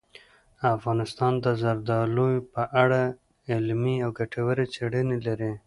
افغانستان د زردالو په اړه علمي او ګټورې څېړنې لري.